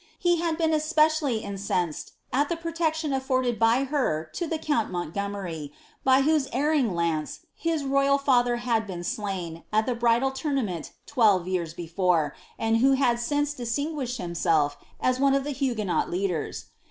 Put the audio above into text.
He had been especially incensed at the protection afforded by her to the count Montgomeri, by whose erringf lance his royal father had been slain at the bridal tournament twelve years before, and who had noce distinguished himself as one of the Huguenot leaders.